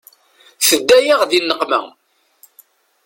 Tedda-yaɣ di nneqma.